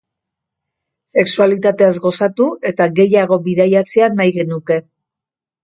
Sexualitateaz gozatu eta gehiago bidaiatzea nahi genuke.